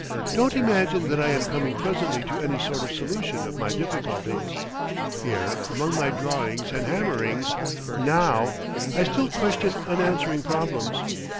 Don't imagine that I am coming presently to any sort of solution of my difficulties. Here among my drawings and hammerings now, I still question unanswering problems.